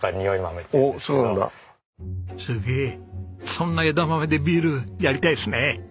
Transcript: そんな枝豆でビールやりたいですね！